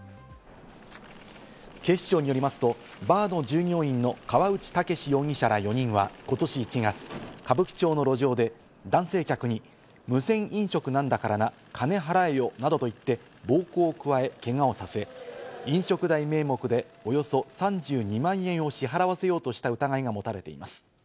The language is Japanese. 警視庁によりますと、バーの従業員の河内剛容疑者ら４人は今年１月、歌舞伎町の路上で男性客に無銭飲食なんだからな、金払えよなどと言って暴行を加えけがをさせ、飲食代名目でおよそ３２万円を支払わせようとした疑いが持たれています。